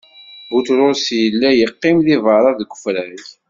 Buṭrus illa yeqqim di beṛṛa, deg ufrag.